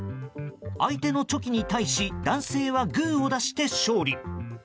相手のチョキに対し男性はグーを出して勝利。